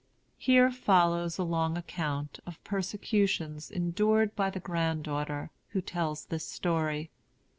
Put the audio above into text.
[Here follows a long account of persecutions endured by the granddaughter, who tells this story.